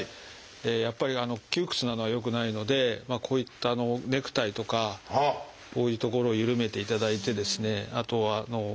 やっぱり窮屈なのは良くないのでこういったネクタイとかこういう所をゆるめていただいてですねあとは。